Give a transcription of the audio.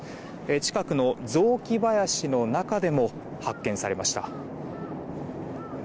近くの雑木林の中でも発見されました。